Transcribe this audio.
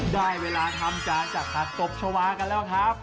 ได้เวลาทำจานจากผักตบชาวากันแล้วครับ